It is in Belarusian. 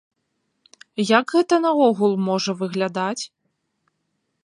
Як гэта наогул можа выглядаць?